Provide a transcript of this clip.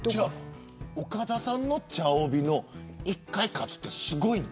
岡田さんの茶帯で１回勝つってすごいの。